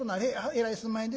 えらいすいまへんでした。